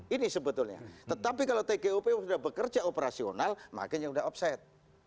ini sebetulnya tetapi kalau tgup sudah bekerja operasional makin yang sudah offset